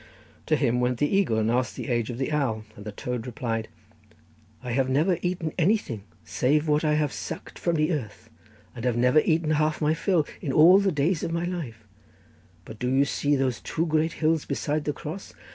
To him went the eagle, and asked the age of the owl, and the toad replied: 'I have never eaten anything save what I have sucked from the earth, and have never eaten half my fill in all the days of my life; but do you see those two great hills beside the cross?